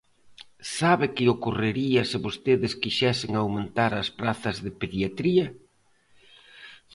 ¿Sabe que ocorrería se vostedes quixesen aumentar as prazas de Pediatría?